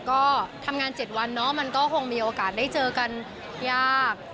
ก็ทำงาน๗วันเนาะมันก็คงมีโอกาสได้เจอกันยาก